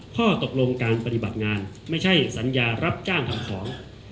ข้อตกลงการปฏิบัติงานไม่ใช่สัญญารับจ้างทำของ